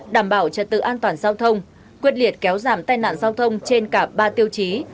đảm bảo trật tự an toàn giao thông quyết liệt kéo giảm tai nạn giao thông trên cả ba tiêu chí